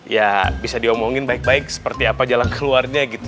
ya bisa diomongin baik baik seperti apa jalan keluarnya gitu